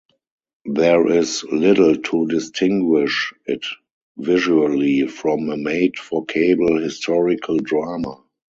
There is little to distinguish it visually from a made-for-cable historical drama.